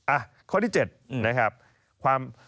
อ่ะข้อที่๗นะครับความ